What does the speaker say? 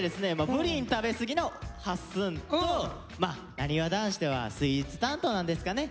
プリン食べすぎのはっすんとまあなにわ男子ではスイーツ担当なんですかね。